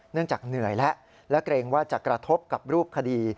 จากเหนื่อยแล้วและเกรงว่าจะกระทบกับรูปคดี